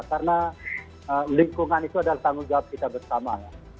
karena lingkungan itu adalah tanggung jawab kita bersama